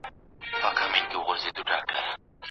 چي د بل په زور اسمان ته پورته کیږي